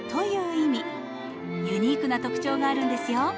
ユニークな特徴があるんですよ。